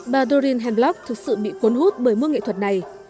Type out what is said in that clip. bà doreen handlock thực sự bị cuốn hút bởi mưu nghệ thuật này